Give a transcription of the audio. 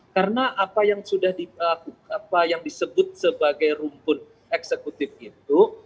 karena apa yang disebut sebagai rumpun eksekutif itu